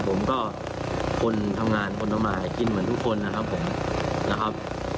ผมก็คนทำงานคนทำมาหากินเหมือนทุกคนนะครับผมนะครับ